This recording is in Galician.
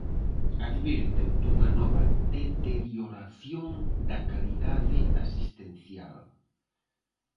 Advirten dunha nova deterioración da calidade asistencial.